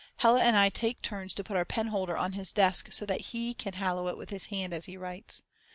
Hella and I take turns to put our penholder on his desk so that he can hallow it with his hand as he writes.